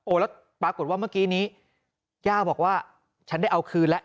แล้วปรากฏว่าเมื่อกี้นี้ย่าบอกว่าฉันได้เอาคืนแล้ว